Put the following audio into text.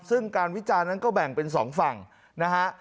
ซึ่งการวิจารณ์นั้นก็แบ่งเป็นสองฝั่งนะฮะ